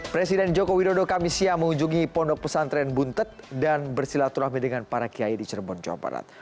presiden joko widodo kamisya mengunjungi pondok pesantren buntet dan bersilaturahmi dengan para kiai di cirebon jawa barat